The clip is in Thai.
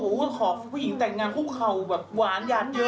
เป็นพิกรเปิดตัวหัวของผู้หญิงแต่งงานคู่เขาแบบหวานยาดเยอะเลย